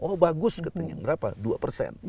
oh bagus katanya berapa dua persen